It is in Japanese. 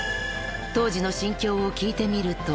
［当時の心境を聞いてみると］